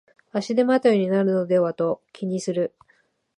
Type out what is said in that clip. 足手まといになるのではと気にする